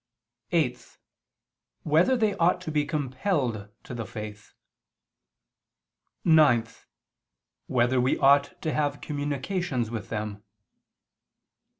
(8) Whether they ought to be compelled to the faith? (9) Whether we ought to have communications with them?